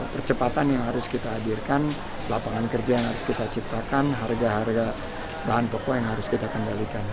percepatan yang harus kita hadirkan lapangan kerja yang harus kita ciptakan harga harga bahan pokok yang harus kita kendalikan